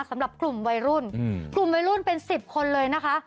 สำหรับกลุ่มวัยรุ่นกลุ่มวัยรุ่นเป็น๑๐คนเลยนะคะ